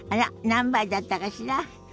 何杯だったかしら？